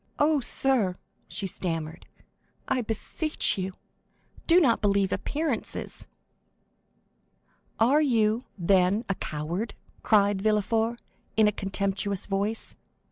"Oh, sir," she stammered, "I beseech you, do not believe appearances." "Are you, then, a coward?" cried Villefort, in a contemptuous voice.